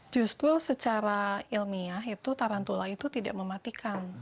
justru secara ilmiah itu tarantula itu tidak mematikan